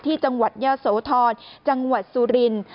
ที่จังหวัดยะโสธรจังหวัดสุรินทร์